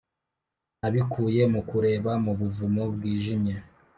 nabikuye mu kureba mu buvumo bwijimye